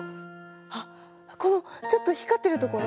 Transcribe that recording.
あっこのちょっと光ってるところ？